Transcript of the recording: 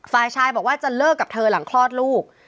ฝ่ายชายบอกว่าจะเลิกกับเธอหลังคลอดลูก